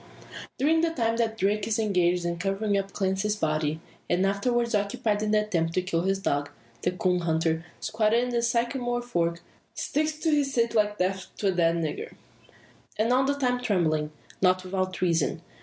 During the time that Darke is engaged in covering up Clancy's body, and afterwards occupied in the attempt to kill his dog, the coon hunter, squatted in the sycamore fork, sticks to his seat like "death to a dead nigger." And all the time trembling. Not without reason.